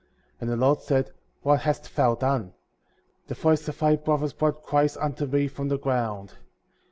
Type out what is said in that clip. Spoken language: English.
35. And the Lord said: What hast thou done? The voice of thy brother's blood cries unto me from the ground.